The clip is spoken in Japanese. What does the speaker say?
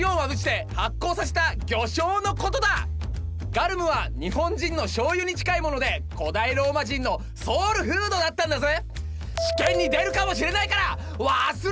ガルムは日本人のしょうゆに近いもので古代ローマ人のソウルフードだったんだぜ。